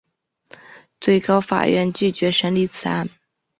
最高法院拒绝审理此案。